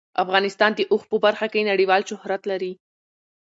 افغانستان د اوښ په برخه کې نړیوال شهرت لري.